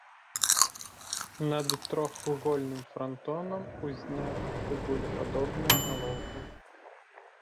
Над трохвугольным франтонам узнята цыбулепадобная галоўка.